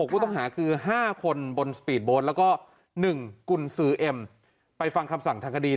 ผู้ต้องหาคือ๕คนบนสปีดโบสต์แล้วก็๑กุญสือเอ็มไปฟังคำสั่งทางคดี